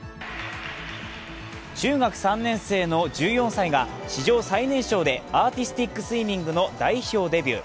中学３年生の１４歳が史上最年少でアーティスティックスイミングの代表デビュー。